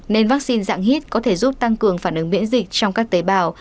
nên vaccine dạng hít có thể giúp tăng cường phản ứng miễn dịch trong các tế bào